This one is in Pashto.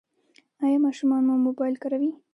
ایا ماشومان مو موبایل کاروي؟